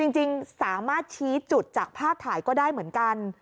จริงสามารถชี้จุดจากภาพถ่ายก็ได้เหมือนกัน